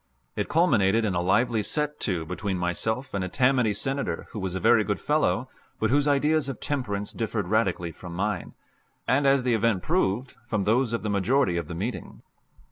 It culminated in a lively set to between myself and a Tammany Senator who was a very good fellow, but whose ideas of temperance differed radically from mine, and, as the event proved, from those of the majority of the meeting.